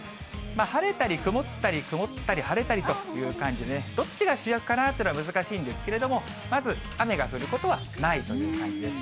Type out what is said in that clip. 晴れたり曇ったり、曇ったり晴れたりという感じで、どっちが主役かなというのは難しいんですけれども、まず雨が降ることはないという感じです。